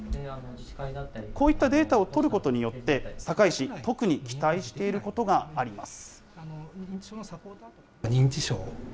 こういったデータを取ることによって、堺市、特に期待していることがあります。